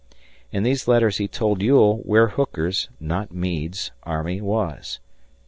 In these letters he told Ewell where Hooker's, not Meade's, army was.